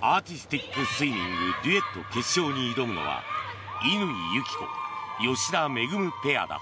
アーティスティックスイミングデュエット決勝に挑むのは乾友紀子・吉田萌ペアだ。